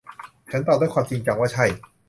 ฉันตอบด้วยความจริงจังว่า ใช่